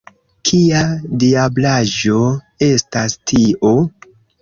Kia diablaĵo estas tio?